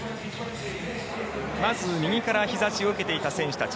まず右から日差しを受けていた選手たち